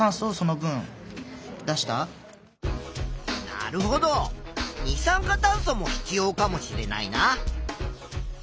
なるほど二酸化炭素も必要かもしれないな。